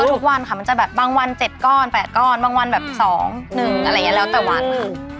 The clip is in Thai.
ตลอด๑อะไรแน่ละแล้วแต่วันค่ะ